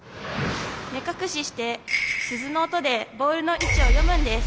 目隠しして鈴の音でボールの位置を読むんです。